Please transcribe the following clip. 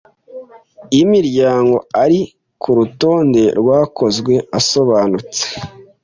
y imiryango ari ku rutonde rwakozwe asobanutse